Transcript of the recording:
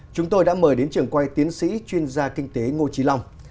chúng tôi đã mời đến trường quay tiến sĩ chuyên gia kinh tế ngô trí long